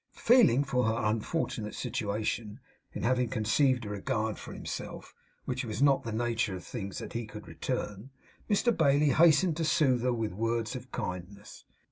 Feeling for her unfortunate situation, in having conceived a regard for himself which it was not in the nature of things that he could return, Mr Bailey hastened to soothe her with words of kindness.